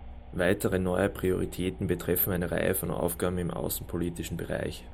Weitere neue Prioritäten betreffen eine Reihe von Aufgaben im außenpolitischen Bereich.